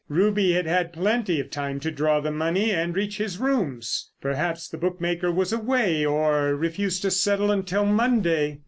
Ruby had had plenty of time to draw the money and reach his rooms! Perhaps the bookmaker was away, or refused to settle until Monday.